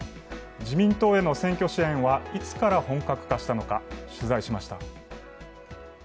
自民党への選挙支援はいつから本格化したのか、取材しました。